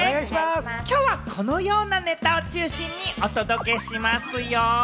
きょうはこのようなネタを中心にお届けしますよ。